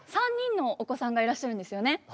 ３人のお子さんがいらっしゃるんですよね？